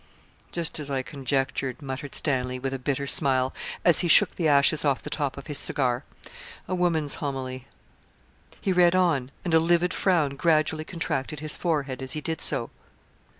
'Just as I conjectured,' muttered Stanley, with a bitter smile, as he shook the ashes off the top of his cigar 'a woman's homily.' He read on, and a livid frown gradually contracted his forehead as he did so.